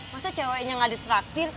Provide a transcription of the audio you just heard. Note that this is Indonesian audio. masa ceweknya nggak diserahin